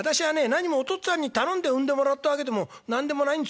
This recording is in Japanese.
なにもお父っつぁんに頼んで生んでもらったわけでもなんでもないんですよ。